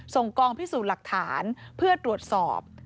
กองพิสูจน์หลักฐานเพื่อตรวจสอบ